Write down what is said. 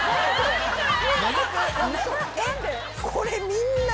これみんな。